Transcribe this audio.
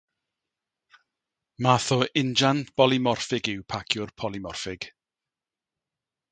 Math o injan bolymorffig yw paciwr polymorffig.